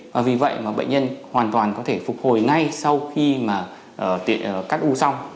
và vì vậy mà bệnh nhân hoàn toàn có thể phục hồi ngay sau khi mà cắt u xong